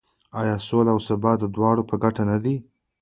آیا سوله او ثبات د دواړو په ګټه نه دی؟